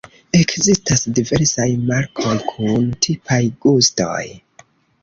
Ekzistas diversaj markoj kun tipaj gustoj.